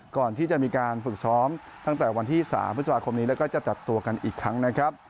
ก่อนที่จะมีการฝึกซ้อมตั้งแต่วันที่๓พฤษภาคมนี้แล้วก็จะจัดตัวกันอีกครั้งนะครับ